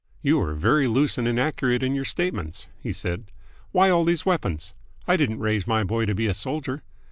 "You are very loose and inaccurate in your statements," he said. "Why all these weapons? I didn't raise my boy to be a soldier!